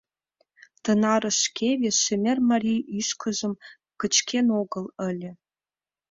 Тынарышкеве шемер марий ӱшкыжым кычкен огыл ыле.